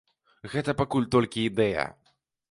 Гэта пакуль толькі ідэя.